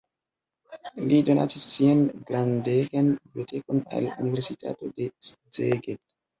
Li donacis sian grandegan bibliotekon al universitato de Szeged.